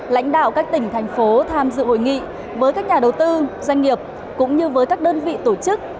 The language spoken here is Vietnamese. lãnh đạo các tỉnh thành phố tham dự hội nghị với các nhà đầu tư doanh nghiệp cũng như với các đơn vị tổ chức